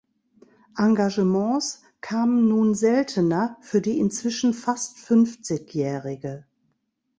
Engagements kamen nun seltener für die inzwischen fast Fünfzigjährige.